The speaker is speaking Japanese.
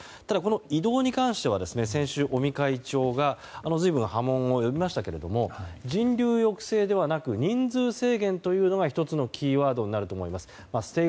ただ移動に関しては先週、尾身会長がずいぶん波紋を呼びましたけど人流抑制ではなく人数制限というのが１つのキーワードになると思いますと。